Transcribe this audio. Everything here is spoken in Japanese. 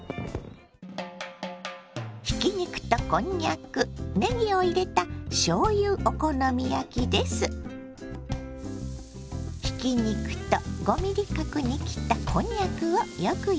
ひき肉とこんにゃくねぎを入れたひき肉と５ｍｍ角に切ったこんにゃくをよく炒めます。